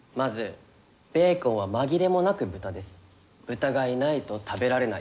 豚がいないと食べられない。